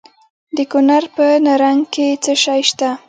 د کونړ په نرنګ کې څه شی شته؟